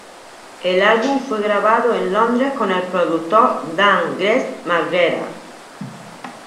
El álbum fue grabado en Londres con el productor Dan Grech-Marguerat.